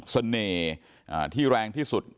เสน่ห์ที่แรงที่สุด